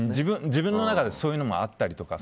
自分の中でそういうのもあったりとか。